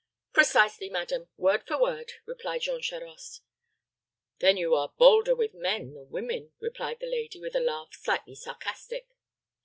"Precisely, madam; word for word," replied Jean Charost. "Then you are bolder with men than women," replied the lady, with a laugh slightly sarcastic.